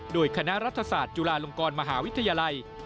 โดยคณะรัฐศาสตร์จุฬาลงกรมหาวิทยาลัย